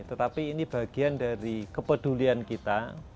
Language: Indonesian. tetapi ini bagian dari kepedulian kita